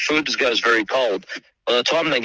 uber sendiri sebagai konsep